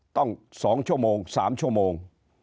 ต้อง๒ชั่วโมง๓ชั่วโมง